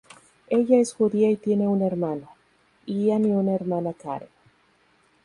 Ella es judía y tiene un hermano, Ian y una hermana, Karen.